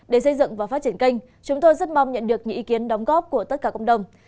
để xây dựng và phát triển kênh chúng tôi rất mong nhận được những ý kiến đóng góp của tất cả cộng đồng